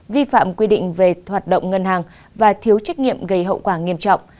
vi phạm quy định về hoạt động ngân hàng và thiếu trách nhiệm gây hậu quả nghiêm trọng